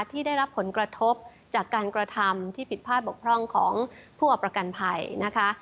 ที่ได้รับผลกระทบจากการกระทำที่ผิดพลาดบกพร่องของผู้เอาประกันภัยนะคะ